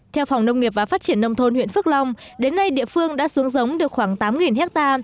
theo phòng nông nghiệp và phát triển nông thôn huyện phước long đến nay địa phương đã xuống giống được khoảng tám ha